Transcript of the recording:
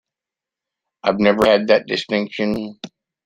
I've never had that distinction.